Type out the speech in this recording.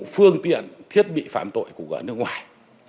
phương tiện thiết bị phạm tội của nước ngoài